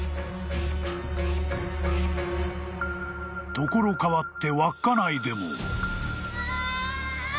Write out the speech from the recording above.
［ところ変わって稚内でも］